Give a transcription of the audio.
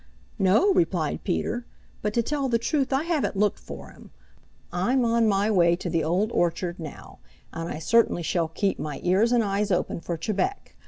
"No," replied Peter, "but to tell the truth I haven't looked for him. I'm on my way to the Old Orchard now, and I certainly shall keep my ears and eyes open for Chebec.